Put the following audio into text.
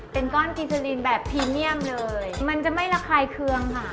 เป็นก้อนกินเจลินแบบพรีเมียมเลยมันจะไม่ระคายเคืองค่ะ